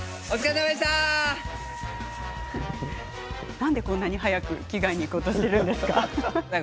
なぜ、こんなに早く着替えに行こうとしているのですか？